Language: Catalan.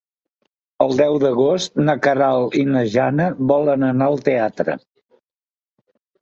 El deu d'agost na Queralt i na Jana volen anar al teatre.